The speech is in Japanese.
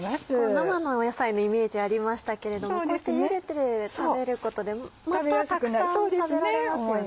生の野菜のイメージありましたけれどもこうしてゆでて食べることでまたたくさん食べられますよね。